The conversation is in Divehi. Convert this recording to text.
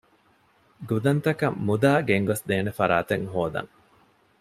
ގުދަންތަކަށް މުދާ ގެންގޮސްދޭނެ ފަރާތެއް ހޯދަން